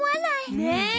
ねえ！